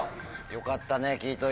よかったね聞いといて。